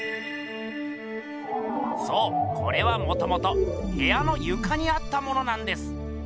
そうこれはもともとへやのゆかにあったものなんです。